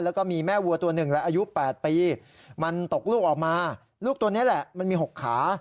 แล้วก็มีแม่วัวตัวหนึ่งและอายุ๘ปีมันตกลูกออกมาลูกตัวนี้แหละมันมี๖ขา